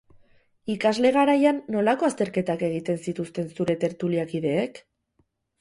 Ikasle garaian, nolako azterketak egiten zituzten gure tertuliakideek?